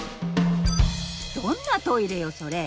どんなトイレよそれ！